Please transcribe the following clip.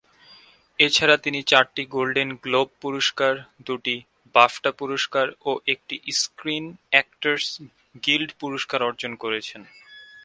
এছাড়া তিনি চারটি গোল্ডেন গ্লোব পুরস্কার, দুটি বাফটা পুরস্কার ও একটি স্ক্রিন অ্যাক্টরস গিল্ড পুরস্কার অর্জন করেছেন।